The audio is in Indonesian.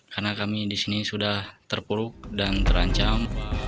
karena kami disini sudah terpuruk dan terancam